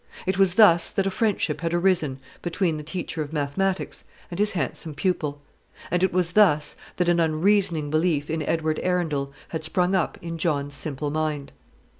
It was thus that a friendship had arisen between the teacher of mathematics and his handsome pupil; and it was thus that an unreasoning belief in Edward Arundel had sprung up in John's simple mind.